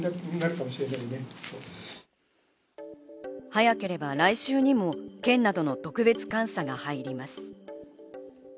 早ければ来週にも県などの特別監査が入ります。